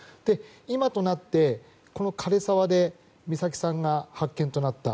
今となって、枯れ沢で美咲さんが発見となった。